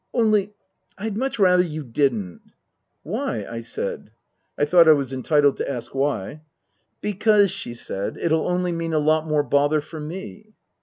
Only I'd much rather you didn't." " Why ?" I said. I thought I was entitled to ask why. " Because," she said, " it'll only mean a lot more bother for me."